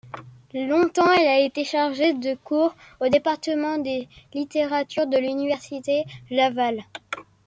Longtemps elle a été chargée de cours au Département des Littératures de l'Université Laval.